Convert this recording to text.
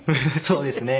そうですね。